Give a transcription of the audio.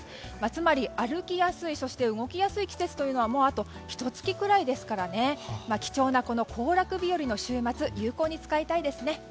つまり、歩きやすいそして動きやすい季節はもう、あとひと月ぐらいですから貴重な行楽日和の週末有効に使いたいですね。